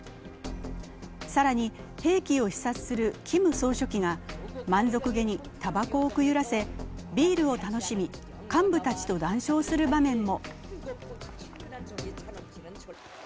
更に、兵器を視察するキム総書記が満足げにたばこをくゆらせビールを楽しみ、幹部たちと談笑する場面も。